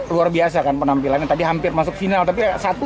luar biasa kan penampilannya tadi hampir masuk final tapi satu